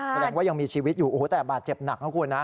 แสดงว่ายังมีชีวิตอยู่โอ้โหแต่บาดเจ็บหนักนะคุณนะ